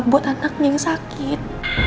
buat anaknya yang sakit